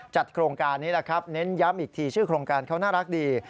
โครงการนี้แหละครับเน้นย้ำอีกทีชื่อโครงการเขาน่ารักดี